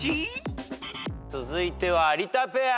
続いては有田ペア。